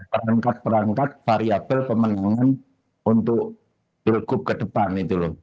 perangkat perangkat variabel pemenangan untuk berukup ke depan